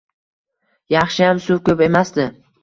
Yaxshiyam suv ko‘p emasdi